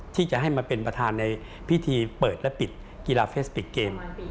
ที่จะให้มาเป็นประธานในพิธีเปิดและปิดกีฬาเฟสติกเกม